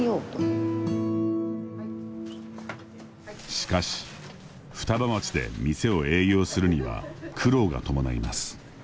しかし、双葉町で店を営業するには苦労が伴います。